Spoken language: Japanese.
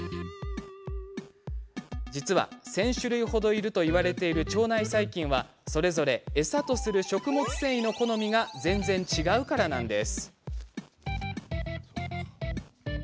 実は、１０００種類程いるといわれている腸内細菌はそれぞれ餌とする食物繊維の好みが全然、違うからなんです。